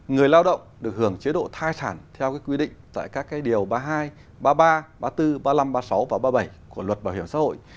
người lao động được hưởng chế độ thai sản theo quy định tại các điều ba mươi hai ba mươi ba ba mươi bốn ba mươi năm ba mươi sáu và ba mươi bảy của luật bảo hiểm xã hội